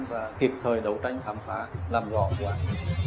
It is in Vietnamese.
và kịp thời đấu tranh thám phá làm rõ quán